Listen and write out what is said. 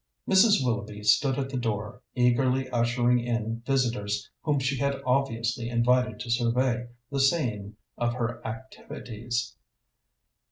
Mrs. Willoughby stood at the door, eagerly ushering in visitors whom she had obviously invited to survey the scene of her activities.